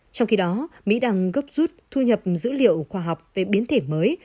trong khi đó mỹ đang gấp rút thu nhập dữ liệu khoa học về biến thể mới